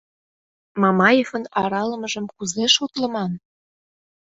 Мамаевын аралымыжым кузе шотлыман?